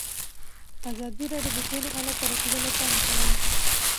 ازادي راډیو د سوله حالت ته رسېدلي پام کړی.